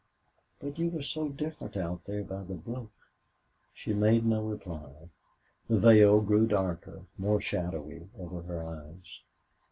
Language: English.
"But you were so different out there by the brook." She made no reply. The veil grew darker, more shadowy, over her eyes.